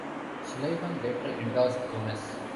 Sullivan later endorsed Gomez.